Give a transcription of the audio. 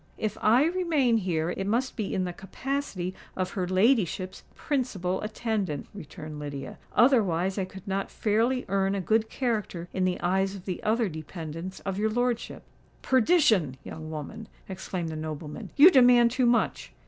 "If I remain here, it must be in the capacity of her ladyship's principal attendant," returned Lydia: "otherwise I could not fairly earn a good character in the eyes of the other dependants of your lordship." "Perdition! young woman," exclaimed the nobleman; "you demand too much!"